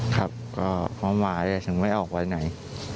ครับก็มาเลยถึงไม่ออกไปไหน